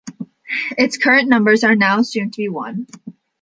Its current numbers are now assumed to be one.